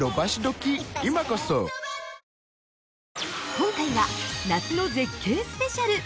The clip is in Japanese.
◆今回は、夏の絶景スペシャル。